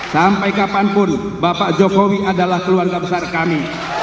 sampai kapanpun bapak jokowi adalah keluarga besar kami